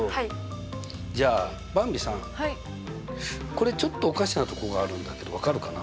これちょっとおかしなとこがあるんだけど分かるかな？